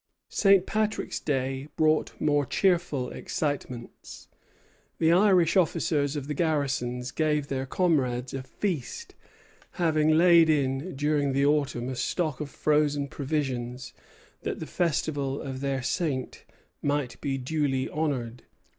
St. Patrick's Day brought more cheerful excitements. The Irish officers of the garrison gave their comrades a feast, having laid in during the autumn a stock of frozen provisions, that the festival of their saint might be duly honored.